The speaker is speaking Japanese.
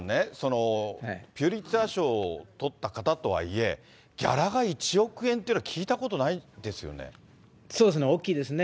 ピュリッツアー賞を取った方とはいえ、ギャラが１億円っていうのそうですよね、大きいですね。